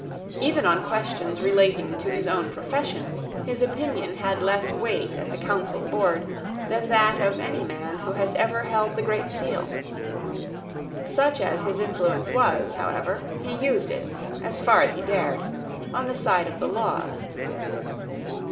Even on questions relating to his own profession his opinion had less weight at the Council board than that of any man who has ever held the Great Seal. Such as his influence was, however, he used it, as far as he dared, on the side of the laws.